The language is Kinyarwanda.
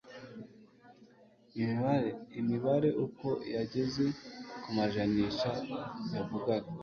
imibare uko yageze ku majanisha yavugaga.